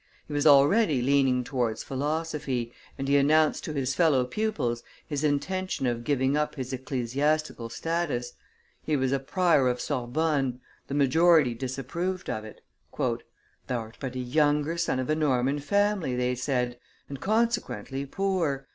He was already leaning towards philosophy, and he announced to his fellow pupils his intention of giving up his ecclesiastical status; he was a prior of Sorbonne; the majority disapproved of it. "Thou'rt but a younger son of a Norman family," they said, "and, consequently, poor.